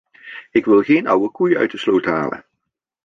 Ik wil geen oude koeien uit de sloot halen.